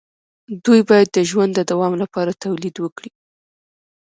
دوی باید د ژوند د دوام لپاره تولید وکړي.